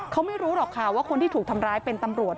เขาไม่รู้หรอกค่ะว่าคนที่ถูกทำร้ายเป็นตำรวจ